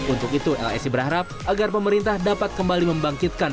untuk itu lsi berharap agar pemerintah dapat kembali membangkitkan